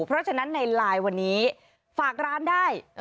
เพราะฉะนั้นในไลน์วันนี้ฝากร้านได้